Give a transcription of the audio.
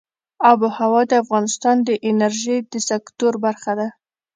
آب وهوا د افغانستان د انرژۍ د سکتور برخه ده.